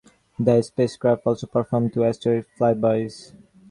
The spacecraft also performed two asteroid flybys.